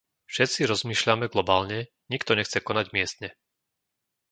Všetci rozmýšľame globálne, nikto nechce konať miestne.